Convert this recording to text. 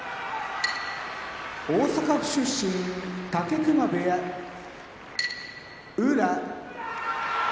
大阪府出身武隈部屋宇良